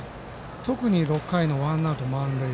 特に６回のワンアウト満塁。